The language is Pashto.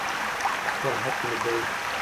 خپل حق مې دى.